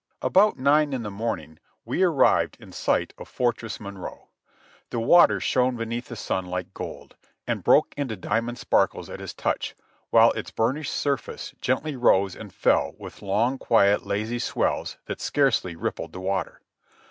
About nine in the morning we arrived in sight of Fortress 206 JOHNNY RKB AND BILLY YANK Monroe. The water shone beneath the sun Hke gold, and broke into diamond sparkles at his touch, while its burnished surface gently rose and fell with long, quiet, lazy swells that scarcely rip pled the water.